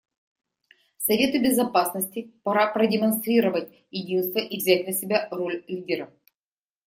Совету Безопасности пора продемонстрировать единство и взять на себя роль лидера.